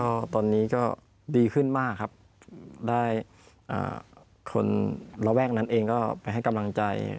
ก็ตอนนี้ก็ดีขึ้นมากครับได้คนระแวกนั้นเองก็ไปให้กำลังใจ